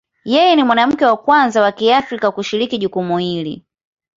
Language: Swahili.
Yeye ni mwanamke wa kwanza wa Kiafrika kushikilia jukumu hili.